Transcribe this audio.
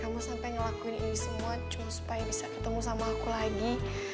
kamu sampai ngelakuin ini semua supaya bisa ketemu sama aku lagi